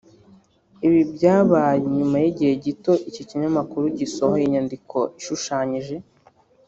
Ibi byabaye nyuma y’igihe gito iki kinyamakuru gisohoye inyandiko ishushanyije